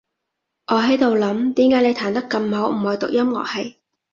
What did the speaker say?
我喺度諗，點解你彈得咁好，唔去讀音樂系？